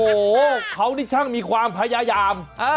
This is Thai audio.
โอ้โหเขานี่ช่างมีความพยายาม